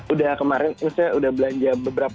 udah kemarin usia udah belanja belanja